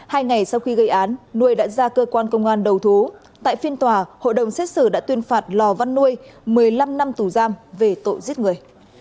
hai ngày sau khi gây án nuôi đã ra cơ quan công an đầu thú tại phiên tòa hội đồng xét xử đã tuyên phạt lò văn nuôi một mươi năm năm tù giam về tội giết người